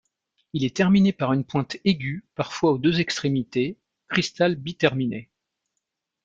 Il est terminé par une pointe aiguë, parfois aux deux extrémités - cristal biterminé.